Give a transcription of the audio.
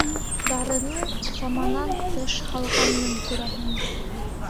Дарыны саманан тыш һалғанмын, күрәһең.